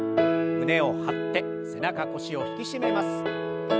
胸を張って背中腰を引き締めます。